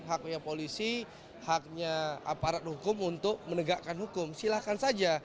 haknya polisi haknya aparat hukum untuk menegakkan hukum silahkan saja